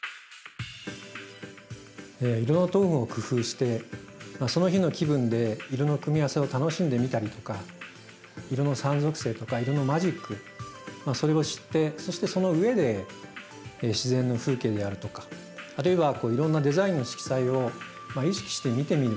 色のトーンを工夫してその日の気分で色の組み合わせを楽しんでみたりとか色の３属性とか色のマジックそれを知ってそしてその上で自然の風景であるとかあるいはいろんなデザインの色彩を意識して見てみる。